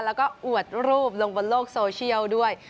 แล้วก็อวดรูปลงบนโลกโซเชียลด้วย